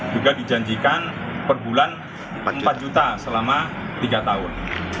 juga dijanjikan per bulan empat juta selama tiga tahun